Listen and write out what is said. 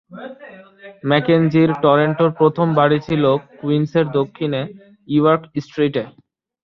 ম্যাকেঞ্জির টরন্টোর প্রথম বাড়ি ছিল কুইন্সের দক্ষিণে ইয়র্ক স্ট্রিটে।